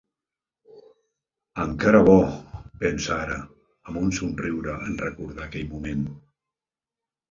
Encara bo, pensa ara, amb un somriure en recordar aquell moment.